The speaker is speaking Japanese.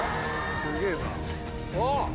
すげえな。